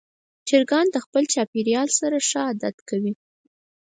چرګان د خپل چاپېریال سره ښه عادت کوي.